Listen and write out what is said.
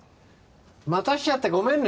待たせちゃってごめんね。